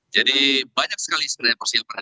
jadi banyak sekali persiapannya